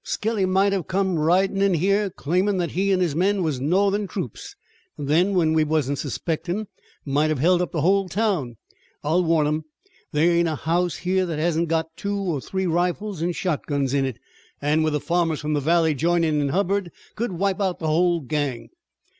"Skelly might have come ridin' in here, claimin' that he an' his men was Northern troops, an' then when we wasn't suspectin' might have held up the whole town. I'll warn 'em. Thar ain't a house here that hasn't got two or three rifles an' shotguns in it, an' with the farmers from the valley joinin' in Hubbard could wipe out the whole gang."